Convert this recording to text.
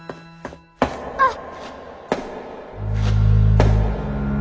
あっ。